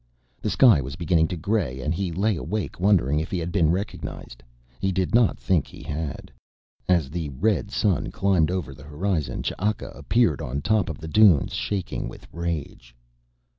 The sky was beginning to gray and he lay awake wondering if he had been recognized: he didn't think he had. As the red sun climbed over the horizon Ch'aka appeared on top of the dunes, shaking with rage.